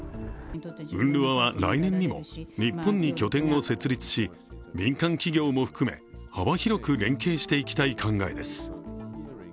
ＵＮＲＷＡは来年にも日本に拠点を設立し民間企業も含め、幅広く連携していきたい考えです。